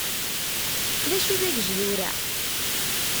D acu dagejdur-a?